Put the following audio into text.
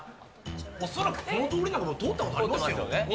恐らくこの通りなんか通ったことありますよね。